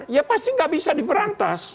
ya pasti nggak bisa diberantas